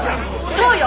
そうよ！